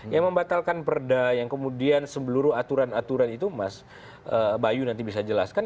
yang membatalkan perda yang kemudian sembeluru aturan aturan itu mas bayu nanti bisa jelaskan